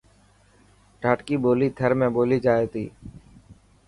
ڌاٽڪي ٻولي ٿر۾ ٻولي جائي ٿي.